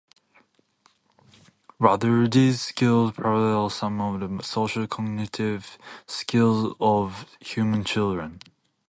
Rather, these skills parallel some of the social-cognitive skills of human children.